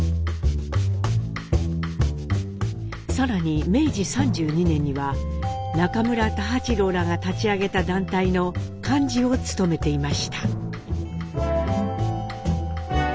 更に明治３２年には中村太八郎らが立ち上げた団体の幹事を務めていました。